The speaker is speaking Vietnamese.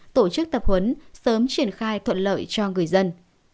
tổ chức tập huấn sớm triển khai thuận lợi cho người dân